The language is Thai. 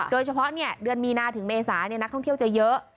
โดยเฉพาะเดือนมีนาถึงเมษานักท่องเที่ยวจะเยอะ